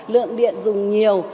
lượng điện dùng nhiều